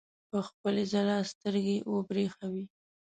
په خپلې ځلا سترګې وبرېښوي.